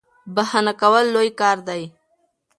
بخښنه کول لوی کار دی.